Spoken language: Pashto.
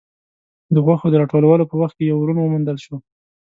د غوښو د راټولولو په وخت کې يو ورون وموندل شو.